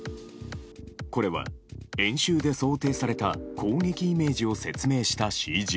これは、演習で想定された攻撃イメージを説明したＣＧ。